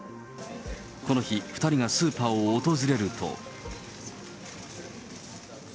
この日、２人がスーパーを訪れると。